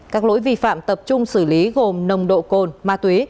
các lỗi vi phạm tập trung xử lý gồm nồng độ cồn ma túy